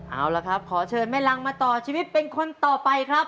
เอาละครับขอเชิญแม่รังมาต่อชีวิตเป็นคนต่อไปครับ